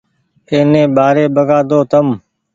ايني ٻآري ٻگآۮو تم